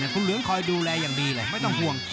คุณเหลืองคอยดูแลอย่างดีเลยไม่ต้องห่วง